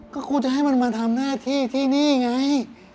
ก็กูจะให้มันมาทำหน้าที่ที่นี่ไง